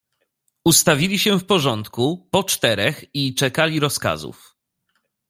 Ustawili się w porządku, po czterech i czekali rozkazów.